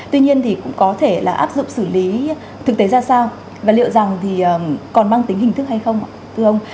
tuy nhiên thì cũng có thể là áp dụng xử lý thực tế ra sao và liệu rằng còn mang tính hình thức hay không ạ thưa ông